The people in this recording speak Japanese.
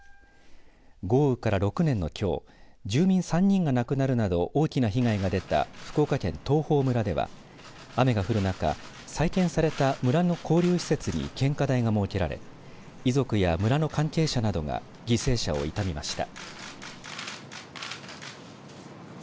豪雨から６年のきょう住民３人が亡くなるなど大きな被害が出た福岡県東峰村では雨が降る中、再建された村の交流施設に献花台が設けられ遺族や村の関係者などが犠牲者を悼みました。